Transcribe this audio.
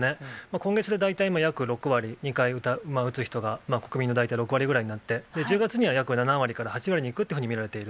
今月で大体約６割、２回打つ人が国民の大体６割ぐらいになって、１０月には約７割から８割に行くっていうふうに見られている。